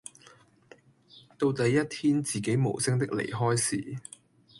到底一天自己無聲的離開時